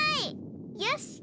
よし！